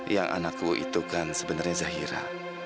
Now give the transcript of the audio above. yang anakku itu kan sebenarnya zahira